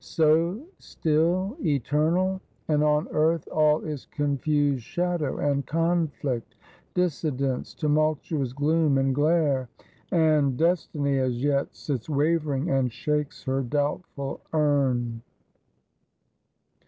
So still, eternal! and on Earth, all is confused shadow and conflict; dissidence, tumultuous gloom and glare; and "Destiny as yet sits wavering, and shakes her doubtful urn."